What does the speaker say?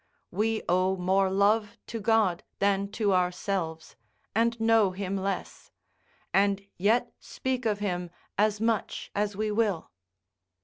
We owe more love to God than to ourselves, and know Him less; and yet speak of Him as much as we will.